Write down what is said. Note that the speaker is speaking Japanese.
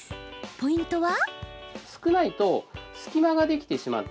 ポイントは。